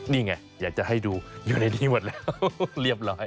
นี่ไงอยากจะให้ดูอยู่ในนี้หมดแล้วเรียบร้อย